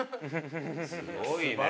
すごいね。